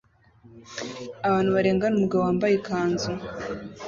Abantu barengana umugabo wambaye ikanzu